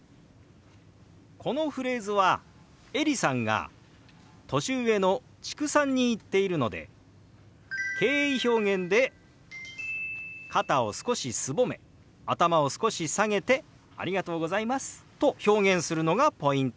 このフレーズはエリさんが年上の知久さんに言っているので敬意表現で肩を少しすぼめ頭を少し下げて「ありがとうございます」と表現するのがポイントです。